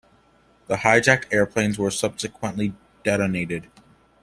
The hijacked airplanes were subsequently detonated.